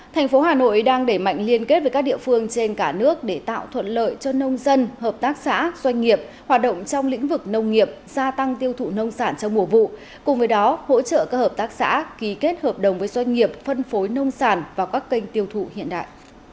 thành phố hà nội đang đẩy mạnh liên kết với các địa phương trên cả nước để tạo thuận lợi cho nông dân hợp tác xã doanh nghiệp hoạt động trong lĩnh vực nông nghiệp gia tăng tiêu thụ nông sản trong mùa vụ cùng với đó hỗ trợ các hợp tác xã ký kết hợp đồng với doanh nghiệp phân phối nông sản vào các kênh tiêu thụ hiện đại